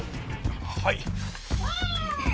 はい。